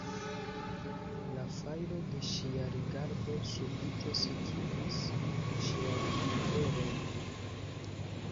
La fajro de ŝia rigardo subite sekigis ŝiajn plorojn.